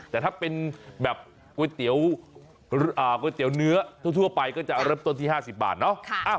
แต่ถ้าเป็นแบบก๋วยเตี๋ยวก๋วยเตี๋ยวเนื้อทั่วไปก็จะเริ่มต้นที่๕๐บาทเนาะ